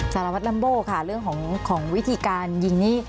สารวัตน์ลัมโบ่เรื่องของวิธีการยิ่ง